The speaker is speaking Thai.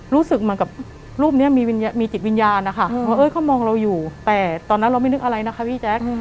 รู้สึกเหมือนกับรูปนี้มีจิตวิญญาณนะคะว่าเขามองเราอยู่แต่ตอนนั้นเราไม่นึกอะไรนะคะพี่แจ๊ค